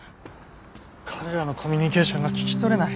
彼らのコミュニケーションが聞き取れない。